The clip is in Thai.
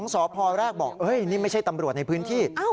สพแรกบอกนี่ไม่ใช่ตำรวจในพื้นที่